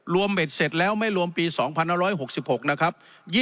เบ็ดเสร็จแล้วไม่รวมปี๒๑๖๖นะครับ